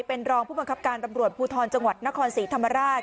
เป็นรองผู้บังคับการตำรวจภูทรจังหวัดนครศรีธรรมราช